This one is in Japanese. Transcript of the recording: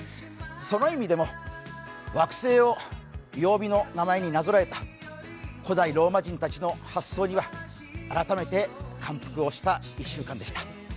その意味でも、惑星を曜日の名前になぞらえた古代ローマ人たちの発想には改めて感服をした１週間でした。